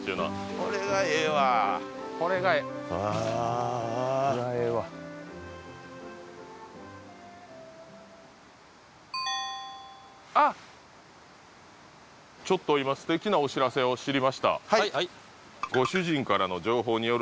これはええわあっちょっと今すてきなお知らせを知りました